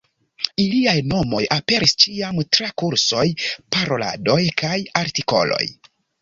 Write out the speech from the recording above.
Iliaj nomoj aperis ĉiam tra kursoj, paroladoj kaj artikoloj.